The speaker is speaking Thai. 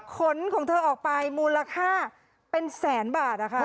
ขนของเธอออกไปมูลค่าเป็นแสนบาท